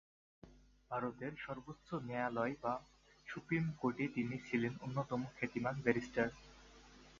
ভারতের সর্বোচ্চ ন্যায়ালয় বা সুপ্রিম কোর্টে তিনি ছিলেন অন্যতম খ্যাতিমান ব্যারিস্টার।